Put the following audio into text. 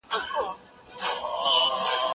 کېدای سي بوټونه ګنده وي؟!